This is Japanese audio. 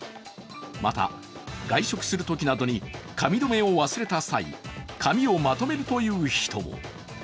また外食するときなどに髪留めを忘れた際、髪をまとめるという人も。